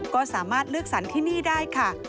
ก็สามารถเลือกสรรที่นี่ได้ค่ะ